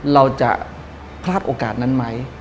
เราจะพลาดโอกาสนั้นไหม